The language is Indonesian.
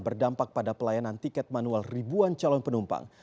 berdampak pada pelayanan tiket manual ribuan calon penumpang